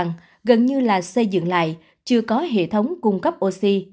chúng tôi đã biết rằng gần như là xây dựng lại chưa có hệ thống cung cấp oxy